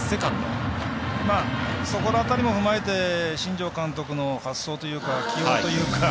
そこの辺りもふまえて新庄監督の発想というか起用というか。